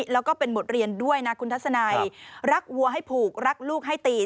แล้วก็เป็นบทเรียนด้วยนะคุณทัศนัยรักวัวให้ผูกรักลูกให้ตี